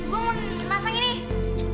gue mau memasang ini